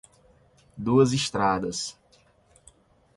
Duas Estradas